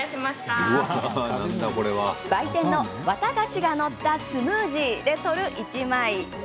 売店の、綿菓子が載ったスムージーで撮る１枚。